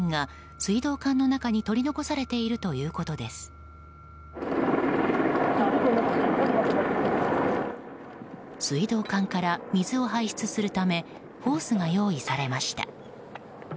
水道管から水を排出するためホースが用意されました。